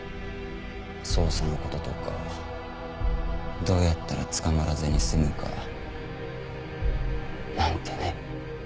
捜査の事とかどうやったら捕まらずに済むかなんてね。